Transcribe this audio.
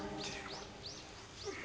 これ。